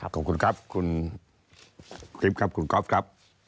ขอบคุณครับคุณกิฟต์ครับคุณก๊อฟครับ